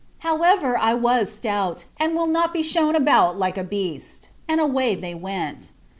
However, I was stout, and will not be shewn about like a beast! and away they went.